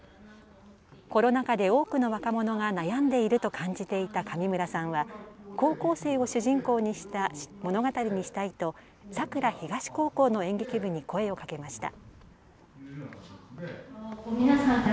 コロナ禍で多くの若者が悩んでいると感じていた上村さんは高校生を主人公にした物語にしたいと佐倉東高校の演劇部に声をかけました。